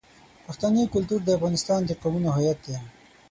پښتني کلتور د افغانستان د قومونو هویت دی.